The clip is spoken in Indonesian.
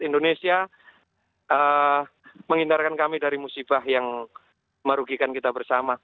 indonesia menghindarkan kami dari musibah yang merugikan kita bersama